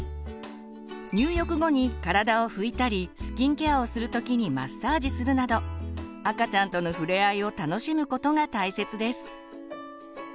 入浴後に体を拭いたりスキンケアをする時にマッサージするなど赤ちゃんとの触れ合いを楽しむことが大切です。